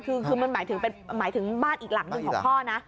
คือมันหมายถึงหมายถึงบ้านอีกหลังหนึ่งของพ่อนะ